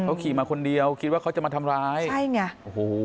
เขาขี่มาคนเดียวคิดว่าเขาจะมาทำร้ายใช่ไงโอ้โห